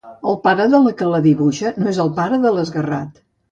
El pare de la que dibuixa, no el pare de l'esguerrat.